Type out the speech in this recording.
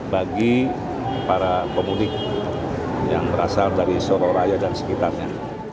bagi para pemudik yang berasal dari soro raya dan sekitarnya